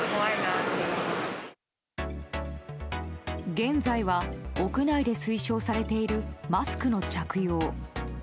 現在は屋内で推奨されているマスクの着用。